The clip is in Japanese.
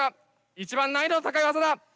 一番難易度の高い技だ。